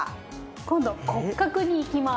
今度「骨格」にいきます。